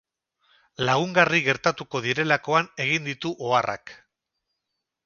Lagungarri gertatuko direlakoan egin ditu oharrak.